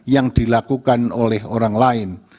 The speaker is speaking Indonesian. yang dilakukan oleh orang lain